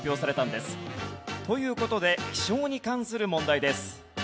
という事で気象に関する問題です。